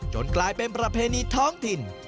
กลายเป็นประเพณีท้องถิ่น